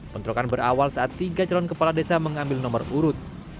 bentrokan berawal saat tiga calon kepala desa mengambil nomor urut